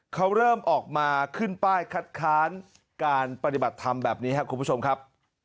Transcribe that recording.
เขาเริ่มออกมาขึ้นป้ายคัดค้านการปฏิบัติธรรมแบบนี้ครับคุณผู้ชมครับ